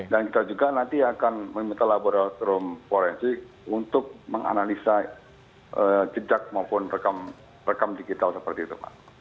dan kita juga nanti akan meminta laboratorium forensik untuk menganalisa jejak maupun rekam digital seperti itu